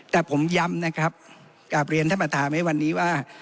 แต่ผมย่ำนะครับกราบเรียนท่านมาถามให้วันนี้ว่า